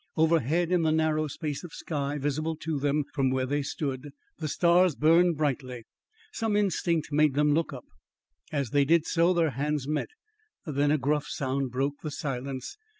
Overhead in the narrow space of sky visible to them from where they stood, the stars burned brightly. Some instinct made them look up; as they did so, their hands met. Then a gruff sound broke the silence.